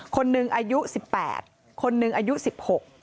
คนหนึ่งอายุสิบแปดคนหนึ่งอายุสิบหก